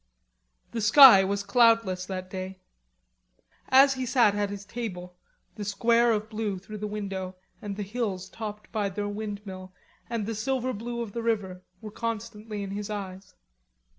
The sky was cloudless that day. As he sat at his table the square of blue through the window and the hills topped by their windmill and the silver blue of the river, were constantly in his eyes.